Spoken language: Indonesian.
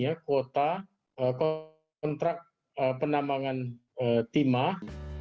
jadi mereka menambahkan kekuotaan untuk menambahkan penambangan timah